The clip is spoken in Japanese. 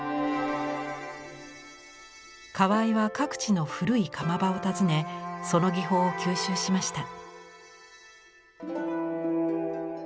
河井は各地の古い窯場を訪ねその技法を吸収しました。